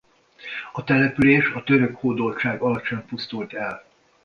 A település a török hódoltság alatt sem pusztult el.